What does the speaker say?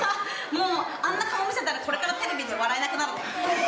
もう、あんな顔見せたら、これからテレビで笑えなくなるね。